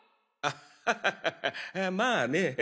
あははっまあね。